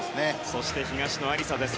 そして東野有紗です。